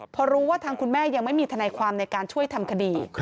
พอรู้ว่าทางคุณแม่ยังไม่มีทนายความในการช่วยทำคดี